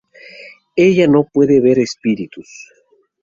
Ella no puede ver espíritus.